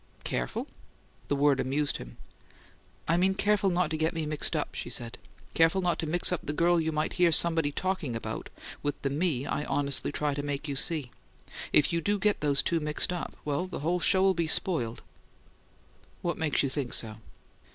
"'Careful?'" The word amused him. "I mean careful not to get me mixed up," she said. "Careful not to mix up the girl you might hear somebody talking about with the me I honestly try to make you see. If you do get those two mixed up well, the whole show'll be spoiled!" "What makes you think so?"